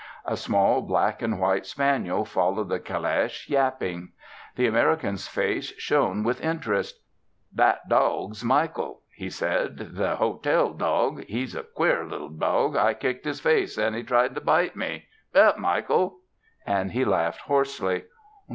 A small black and white spaniel followed the caleche, yapping. The American's face shone with interest. "That dawg's Michael," he said, "the hotel dawg. He's a queer little dawg. I kicked his face; and he tried to bite me. Hup, Michael!" And he laughed hoarsely.